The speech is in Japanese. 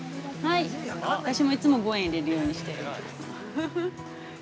私もいつも５円入れるようにしてる。